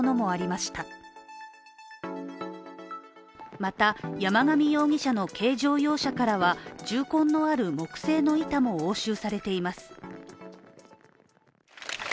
また、山上容疑者の軽乗用車からは銃痕のある木製の板も押収されています。